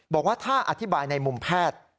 บอกว่าถ้าอธิบายในมุมแพทย์